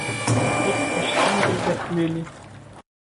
Тик тыштан белгертмәне.